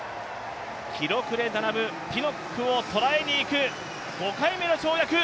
記録で並ぶピノックをとらえにいく、５回目の跳躍。